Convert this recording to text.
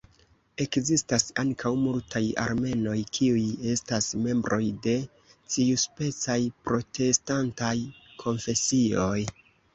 Ekzistas ankaŭ multaj armenoj kiuj estas membroj de ĉiuspecaj protestantaj konfesioj.